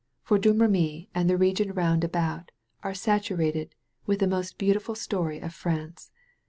For Domiemy and the region round about are saturated with the most beautiful stoiy of France.